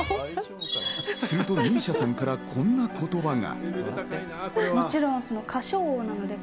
すると美依紗さんから、こんな言葉が。